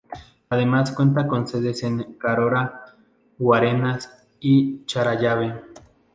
Además cuenta con sedes en Carora, Guarenas y Charallave.